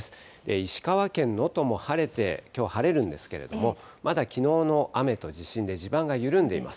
石川県能登も晴れて、きょう晴れるんですけれども、まだきのうの雨と地震で地盤が緩んでいます。